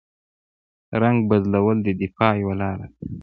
رنګ بدلول د دفاع یوه لاره ده